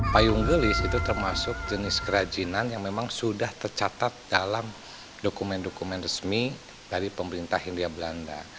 payung gelis itu termasuk jenis kerajinan yang memang sudah tercatat dalam dokumen dokumen resmi dari pemerintah hindia belanda